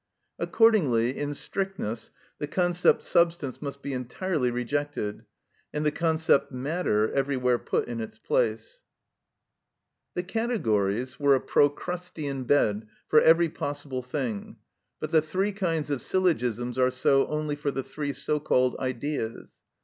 Accordingly, in strictness, the concept substance must be entirely rejected, and the concept matter everywhere put in its place. ‐‐‐‐‐‐‐‐‐‐‐‐‐‐‐‐‐‐‐‐‐‐‐‐‐‐‐‐‐‐‐‐‐‐‐‐‐ The categories were a procrustean bed for every possible thing, but the three kinds of syllogisms are so only for the three so called Ideas.